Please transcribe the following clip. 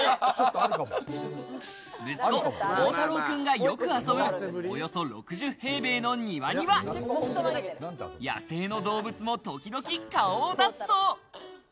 息子の望太郎君がよく遊ぶおよそ６０平米の庭には、野生の動物が時々顔を出すそう。